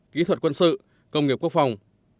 kỹ thuật quân sự công nghiệp quốc phòng